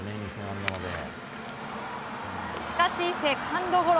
しかしセカンドゴロ。